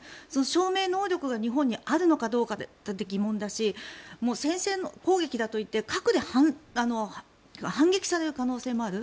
証明能力が日本になるのかどうか疑問だし戦線攻撃だと言って核で反撃される可能性もある。